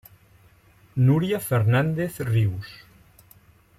Núria Fernández Rius.